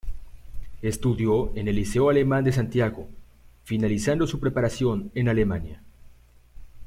Estudió en el Liceo Alemán de Santiago, finalizando su preparación en Alemania.